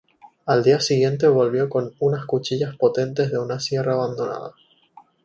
Al día siguiente volvió con unas cuchillas potentes de una sierra abandonada.